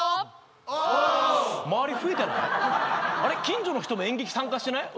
近所の人も演劇参加してない？